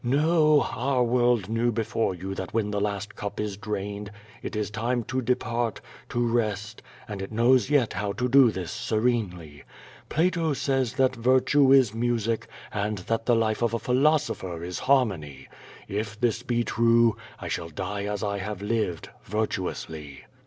No; our world knew before you that when the last cup is drained it is time to depart, to rest, and it knows yet how to do this serenely. Plato says that*^"irtue is music, and that the life of a philosopher is harmony." If this be true, I shall die as I have lived, virtuously.